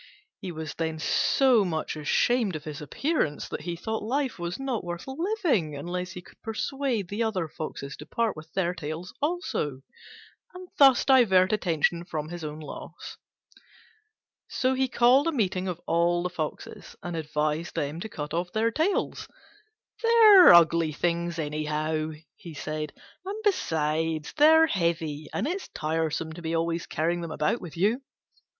He was then so much ashamed of his appearance that he thought life was not worth living unless he could persuade the other Foxes to part with their tails also, and thus divert attention from his own loss. So he called a meeting of all the Foxes, and advised them to cut off their tails: "They're ugly things anyhow," he said, "and besides they're heavy, and it's tiresome to be always carrying them about with you."